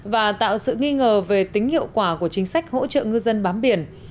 và tạo sự nghi ngờ về tính hiệu quả của chính sách hỗ trợ ngư dân bám biển